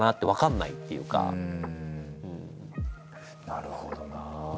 なるほどなあ。